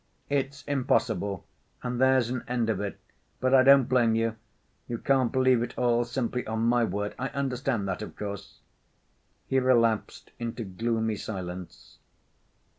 It's impossible and there's an end of it! But I don't blame you. You can't believe it all simply on my word. I understand that, of course." He relapsed into gloomy silence.